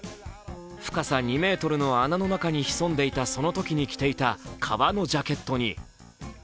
深さ２ｍの穴の中に潜んでいたそのときに着ていた革のジャケットに。